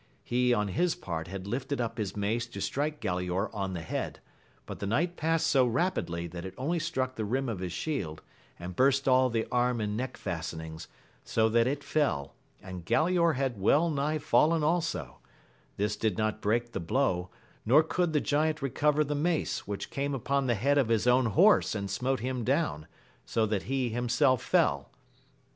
He on his part had lifted up his mace to strike Galaor on the head, but the knight past so rapidly that it only struck the rim of his shield, and burst all the arm and neck fastenings, so that it feU, and Galaor had well nigh fallen also : this did not break the blow, nor could the giant recover the mace, which came upon the head of his own horse and smote him down, so that he himself fell.